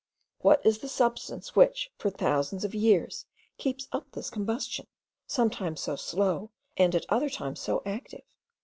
What is the substance, which, for thousands of years, keeps up this combustion, sometimes so slow, and at other times so active?